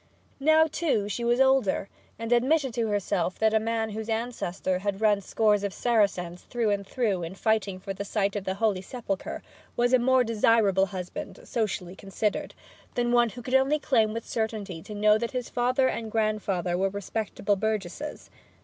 Now, too, she was older, and admitted to herself that a man whose ancestor had run scores of Saracens through and through in fighting for the site of the Holy Sepulchre was a more desirable husband, socially considered, than one who could only claim with certainty to know that his father and grandfather were respectable burgesses.